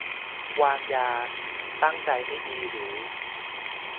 - วางยา ตั้งใจไม่ดี หรือ